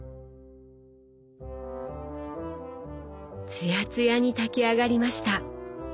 つやつやに炊き上がりました。